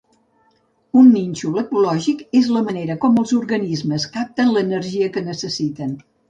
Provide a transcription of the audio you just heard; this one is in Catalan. Un nínxol ecològic és la manera com els organismes capten l'energia que necessiten.